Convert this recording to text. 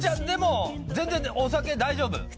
でも全然お酒大丈夫？